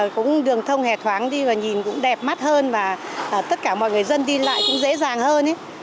cũng đường thông hề thoáng đi và nhìn cũng đẹp mắt hơn và tất cả mọi người dân đi lại cũng dễ dàng hơn